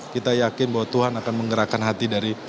kita yakin bahwa tuhan akan menggerakkan hati dari